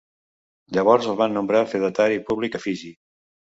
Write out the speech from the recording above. Llavors el van nombrat fedatari públic a Fiji.